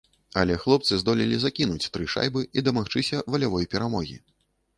Але хлопцы здолелі закінуць тры шайбы і дамагчыся валявой перамогі.